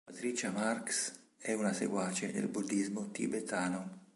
Patricia Marx è una seguace del buddismo tibetano.